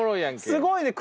すごいね！